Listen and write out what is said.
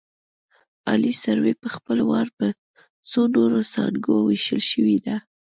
عالي سروې په خپل وار په څو نورو څانګو ویشل شوې ده